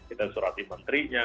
kita surati menterinya